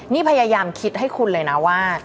นี่พยายามคิดให้คุณเลยนะว่า